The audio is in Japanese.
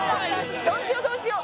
どうしようどうしよう？